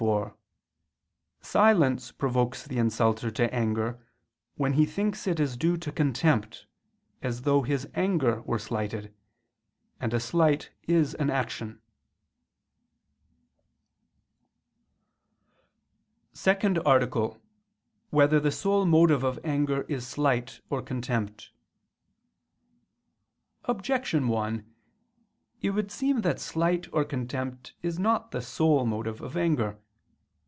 4: Silence provokes the insulter to anger when he thinks it is due to contempt, as though his anger were slighted: and a slight is an action. ________________________ SECOND ARTICLE [I II, Q. 47, Art. 2] Whether the Sole Motive of Anger Is Slight or Contempt? Objection 1: It would seem that slight or contempt is not the sole motive of anger.